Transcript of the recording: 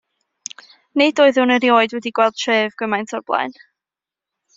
Nid oeddwn erioed wedi gweled tref gymaint o'r blaen.